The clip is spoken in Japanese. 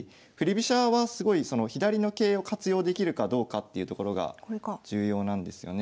飛車はすごいその左の桂を活用できるかどうかっていうところが重要なんですよね。